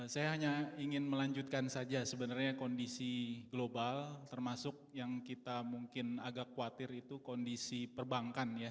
saya hanya ingin melanjutkan saja sebenarnya kondisi global termasuk yang kita mungkin agak khawatir itu kondisi perbankan ya